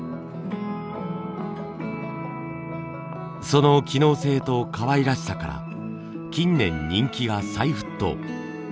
その機能性とかわいらしさから近年人気が再沸騰！